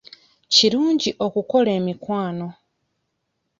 Kirungi okukola emikwano.